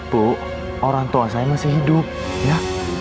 bu orang tua saya masih hidup ya